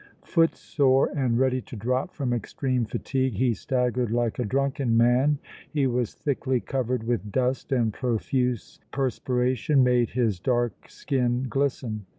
Footsore and ready to drop from extreme fatigue, he staggered like a drunken man. He was thickly covered with dust and profuse perspiration made his dark skin glisten.